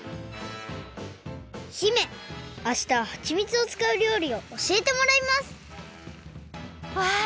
姫あしたははちみつをつかうりょうりをおしえてもらいますわあ